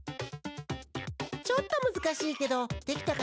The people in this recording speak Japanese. ちょっとむずかしいけどできたかな？